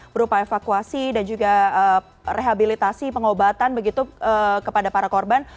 berupa evakuasi dan juga rehabilitasi pengobatan begitu kepada para korban